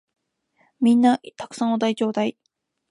皆んな沢山お題ちょーだい！